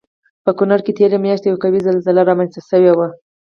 په کنړ کې تېره میاشت یوه قوي زلزله رامنځته شوی وه